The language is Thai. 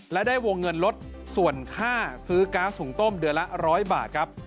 และได้วงเงินลดส่วนค่าซื้อก๊าซหุงต้มเดือนละ๑๐๐บาทครับ